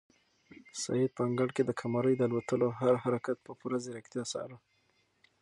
سعید په انګړ کې د قمرۍ د الوتلو هر حرکت په پوره ځیرکتیا څاره.